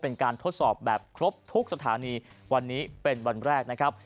ทดสอบแบบครบทุกสถานีวันนี้เป็นวันแรกนะครับ